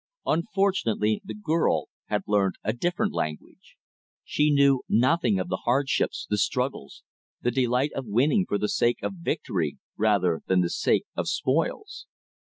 Unfortunately the girl had learned a different language. She knew nothing of the hardships, the struggles, the delight of winning for the sake of victory rather than the sake of spoils.